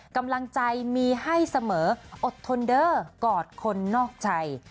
กำลังใจมีให้เสมออดทนเด้อกอดคนนอกใจ